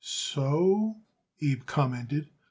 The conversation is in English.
"So?" Abe commented.